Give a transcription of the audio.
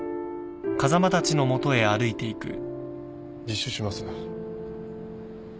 自首します。